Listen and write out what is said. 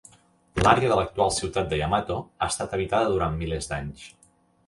L'àrea de l'actual ciutat de Yamato ha estat habitada durant milers d'anys.